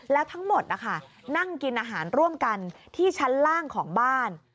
แล้วทั้งหมดนะคะนั่งกินอาหารร่วมกันที่ชั้นล่างของบ้าน